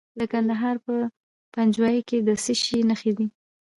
د کندهار په پنجوايي کې د څه شي نښې دي؟